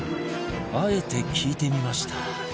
あえて聞いてみました